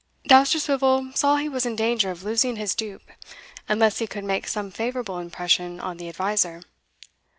Dousterswivel saw he was in danger of losing his dupe, unless he could make some favourable impression on the adviser.